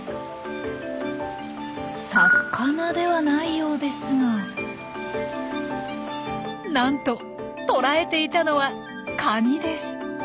魚ではないようですがなんと捕らえていたのはカニです！